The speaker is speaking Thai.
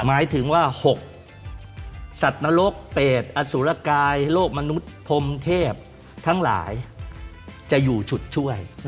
หมายถึงว่า๖สัตว์นรกเปดอสุรกายโลกมนุษย์พรมเทพทั้งหลายจะอยู่ฉุดช่วย